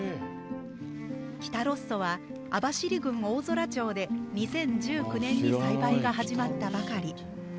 きたロッソは網走郡大空町で、２０１９年に栽培が始まったばかり。